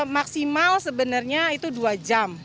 maksimal sebenarnya itu dua jam